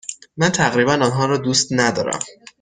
من تقریبا آنها را دوست ندارم.